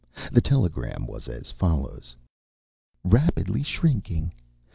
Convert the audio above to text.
The telegram was as follows: Rapidly shrinking.